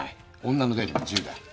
女の出入りも自由だ。